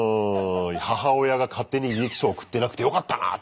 母親が勝手に履歴書送ってなくてよかったなって。